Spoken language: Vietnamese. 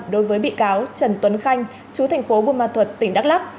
đối với bị cáo trần tuấn khanh chú thành phố bùa ma thuật tỉnh đắk lắk